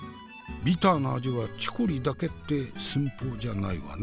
ビターな味はチコリだけって寸法じゃないわな？